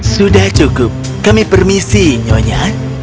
sudah cukup kami permisi nyonya